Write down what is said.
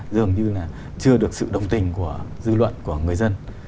dường như là chưa được sự đồng tình của dư luận của người dân